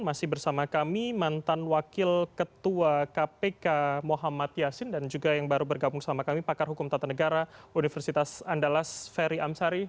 masih bersama kami mantan wakil ketua kpk muhammad yasin dan juga yang baru bergabung sama kami pakar hukum tata negara universitas andalas ferry amsari